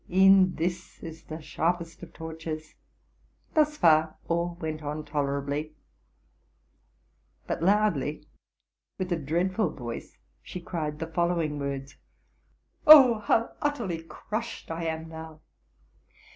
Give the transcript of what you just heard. E'en this is the sharpest of tortures," 68 TRUTH AND FICTION Thus far all went on tolerably ; but loudly, with a dread ful voice, she cried the following words :— ""Oh, how utterly crushed I am now!"